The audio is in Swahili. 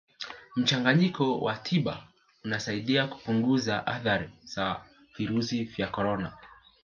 mchanganyiko wa tiba unasaidia kupunguza athari za virusi vya corona